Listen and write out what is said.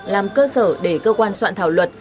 làm cơ sở để cơ quan soạn thảo luật